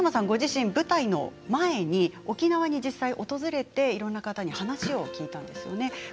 ご自身、舞台の前に沖縄に実際訪れて、いろんな方に話を聞いたんですよね。